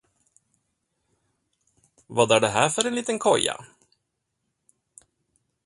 Vad är det här för en liten koja?